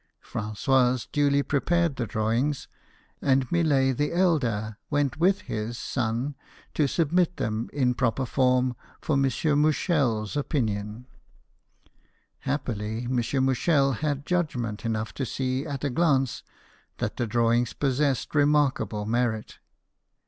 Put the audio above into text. Francois duly prepared the drawings, and Millet the elder went with his son to submit them in proper form for M. Mouchel's opinion. Happily, M. Mouchel had judgment enough to see at a glance that the drawings possessed remarkable merit.